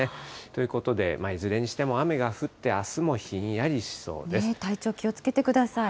ということで、いずれにしても雨が降って、あすもひんやりしそう体調、気をつけてください。